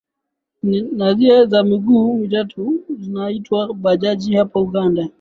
na zile za miguu mitatu zinaitwa bajaji hapo uganda